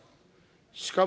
しかも、